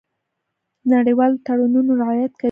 د نړیوالو تړونونو رعایت کوي.